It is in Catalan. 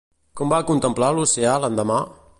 Com va contemplar l'oceà l'endemà?